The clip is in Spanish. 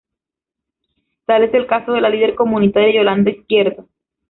Tal es el caso de la líder comunitaria Yolanda Izquierdo.